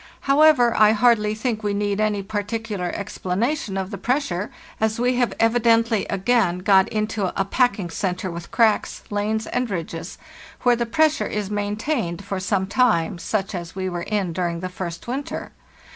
However, I hardly think we need any particular explanation of the pressure, as we have evidently again got into a packing centre with cracks, lanes, and ridges, where the pressure is maintained for some time, such as we were in during the first winter.